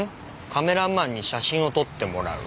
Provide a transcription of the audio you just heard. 「カメラマンに写真を撮ってもらう」。